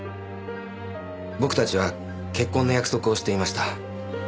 僕たちは結婚の約束をしていました。